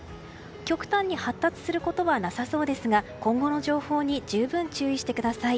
極端に発達することはなさそうですが今後の情報に十分注意してください。